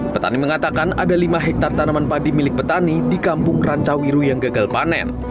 petani mengatakan ada lima hektare tanaman padi milik petani di kampung rancawiru yang gagal panen